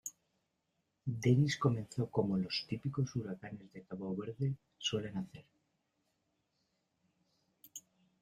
Dennis comenzó como los típicos huracanes de Cabo Verde suelen hacer.